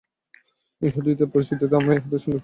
ইবলীসের পরিচিতিতে আমি এ হাদীসটি উল্লেখ করেছি।